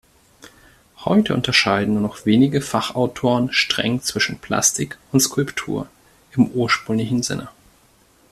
Heute unterscheiden nur noch wenige Fachautoren streng zwischen "Plastik" und "Skulptur" im ursprünglichen Sinne.